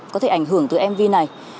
có thể ảnh hưởng từ mv này